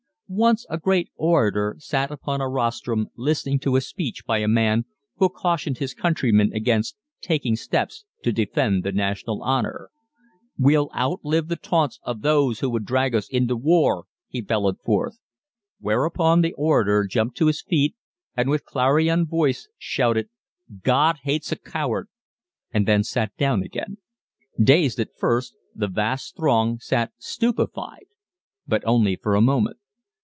Once a great orator sat upon a rostrum listening to a speech by a man who cautioned his countrymen against taking steps to defend the national honor. "We'll outlive the taunts of those who would drag us into war!" he bellowed forth. Whereupon the orator jumped to his feet and with clarion voice shouted, "God hates a coward!" and then sat down again. Dazed at first the vast throng sat stupefied but only for a moment.